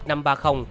điện tử số sáu